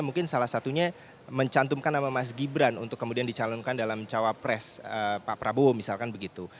mungkin salah satunya mencantumkan nama mas gibran untuk kemudian dicalonkan dalam cawapres pak prabowo misalkan begitu